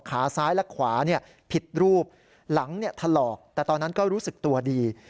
ขาซ้ายและขวาผิดรูปหลังถลอกแต่ตอนนั้นก็รู้สึกตัวดี